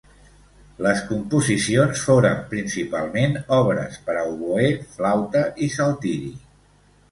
Les composicions foren principalment obres per a oboè, flauta i saltiri.